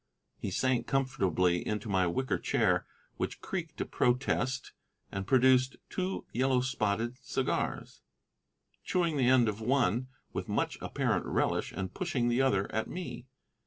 He sank comfortably into my wicker chair, which creaked a protest, and produced two yellow spotted cigars, chewing the end of one with much apparent relish and pushing the other at me.